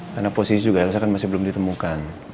karena posisi juga elsa kan masih belum ditemukan